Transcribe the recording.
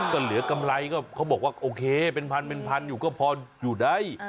ก็เหลือกำไรก็เขาบอกว่าโอเคเป็นพันเป็นพันอยู่ก็พออยู่ได้